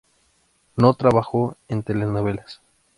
No trabajó en telenovelas.